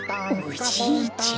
おじいちゃん。